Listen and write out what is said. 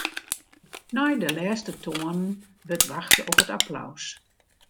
Nei de lêste toanen wurdt wachte op it applaus.